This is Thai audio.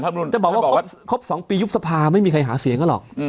จะบอกว่าครบ๒ปียุบสภาไม่มีใครหาเสียงกันหรอก